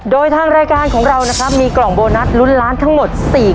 โดยทางรายการของเรามีกล่องโบนัสลุ้นล้านทั้งหมด๔กล่องนะครับ